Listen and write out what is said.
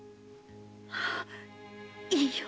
ああいいよ。